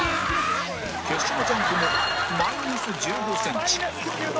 決死のジャンプもマイナス１５センチ